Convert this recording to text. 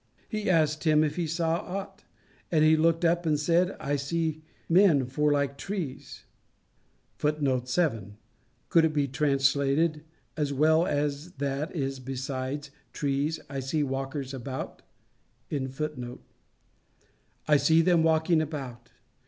"He asked him if he saw ought? And he looked up and said, I see the men: for like trees [Footnote 7: Could it be translated, "As well as (that is besides) trees, I see walkers about"?] I see them walking about."